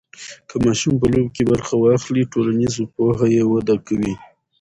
که ماشوم په لوبو کې برخه واخلي، ټولنیز پوهه یې وده کوي.